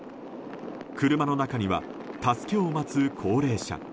車の中には、助けを待つ高齢者。